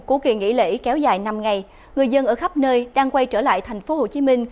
của kỳ nghỉ lễ kéo dài năm ngày người dân ở khắp nơi đang quay trở lại thành phố hồ chí minh